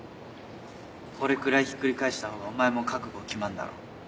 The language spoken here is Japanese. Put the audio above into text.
これくらいひっくり返した方がお前も覚悟決まんだろ。